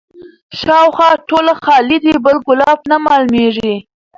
شاوخوا ټوله خالي ده بل ګلاب نه معلومیږي